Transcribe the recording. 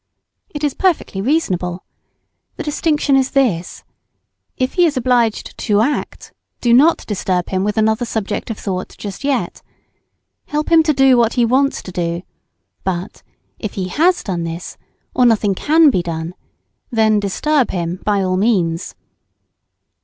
It is perfectly reasonable. The distinction is this, if he is obliged to act, do not "disturb" him with another subject of thought just yet; help him to do what he wants to do; but, if he has done this, or if nothing can be done, then "disturb" him by all means.